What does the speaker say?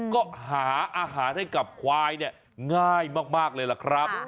ก็หาอาหารให้กับควายเนี่ยง่ายมากเลยล่ะครับ